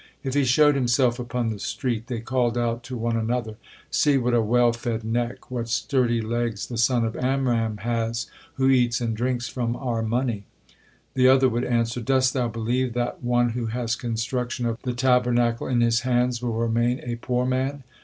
If he showed himself upon the street, they called out to one another: "See what a well fed neck, what sturdy legs the son of Amram has, who eats and drinks from our money!" The other would answer: "Dost thou believe that one who has construction of the Tabernacle in his hands will remain a poor man?"